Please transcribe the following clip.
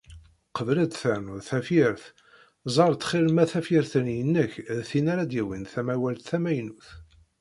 Qbel ad d-ternuḍ tafyirt, ẓer ttxil ma tafyirt-nni-inek d tin ara d-yawin tamawalt tamaynut.